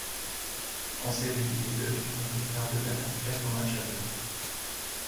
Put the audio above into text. En séries, les Ducks vainquent les Stars de Dallas quatre matchs à deux.